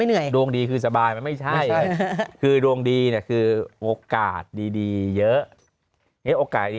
ไม่เหนื่อยดวงดีสบายไม่ใช่คือดวงดีแต่คือโอกาสดีเยอะโอกาส